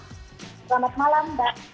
selamat malam mbak